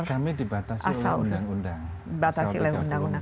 kami dibatasi oleh undang undang